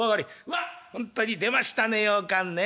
「わっほんとに出ましたねようかんね。